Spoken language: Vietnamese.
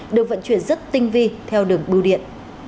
được vận chuyển rất tinh vi theo đường bưu điện